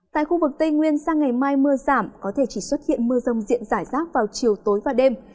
tại khu vực tây nguyên sang ngày mai mưa giảm có thể chỉ xuất hiện mưa rông diện giải rác vào chiều tối và đêm